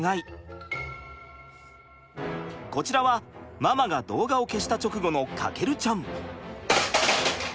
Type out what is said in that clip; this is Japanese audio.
こちらはママが動画を消した直後の翔ちゃん。